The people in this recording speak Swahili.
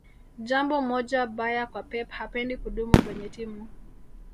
jambo moja baya kwa pep hapendi kudumu kwenye timu